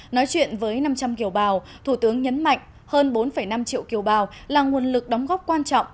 nói chuyện với năm trăm linh kiều bào thủ tướng nhấn mạnh hơn bốn năm triệu kiều bào là nguồn lực đóng góp quan trọng